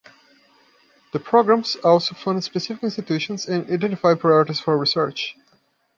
The programs also fund specific institutions and identify priorities for research.